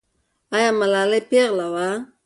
آیا ملالۍ پېغله وه؟